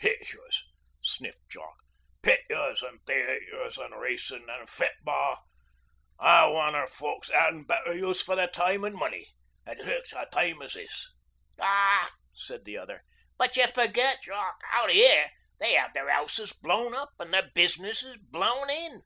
'Huh! Picturs!' sniffed Jock. 'Picturs, and the ayters, and racin', and fitba'. Ah wanner folks hasna better use for their time and money, at sic a time 's this.' 'Aw,' said the other, 'But y' forget, Jock. Out 'ere they 'ave their 'ouses blown up an' their business blown in.